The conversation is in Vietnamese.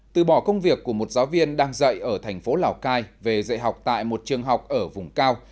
từ bỏ công việc của một giáo viên đang dạy ở thành phố lào cai về dạy học tại một trường học ở vùng cao